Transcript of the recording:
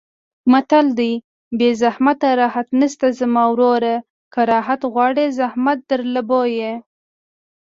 متل دی: بې زحمته راحت نشته زما وروره که راحت غواړې زحمت درلره بویه.